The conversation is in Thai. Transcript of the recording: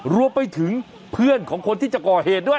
รวมไปถึงเพื่อนของคนที่จะก่อเหตุด้วย